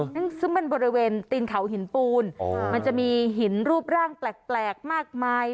ซึ่งมันบริเวณตีนเขาหินปูนมันจะมีหินรูปร่างแปลกมากมาย